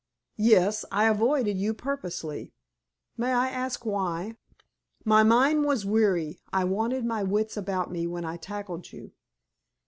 "Yes. I avoided you purposely." "May I ask, why?" "My mind was weary. I wanted my wits about me when I tackled you."